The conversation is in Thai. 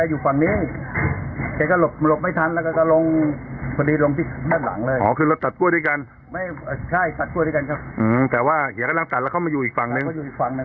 อื้อแต่ว่าเหยากำลังสัดแล้วเข้ามาอยู่อีกฝั่งนึง